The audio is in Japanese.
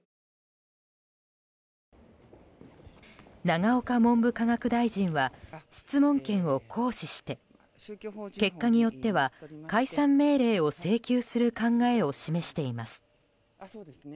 永岡文部科学大臣は質問権を行使して結果によっては解散命令を請求する考えを示しています。